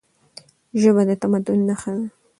ژبه د تمدن نښه ده.